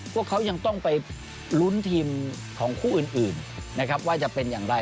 พวกเขายังต้องไปลุ้นทีมของคู่อื่นนะครับว่าจะเป็นอย่างไร